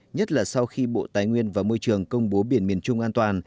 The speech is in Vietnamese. nhất là sau khi bộ tài nguyên và môi trường công bố biển miền trung an toàn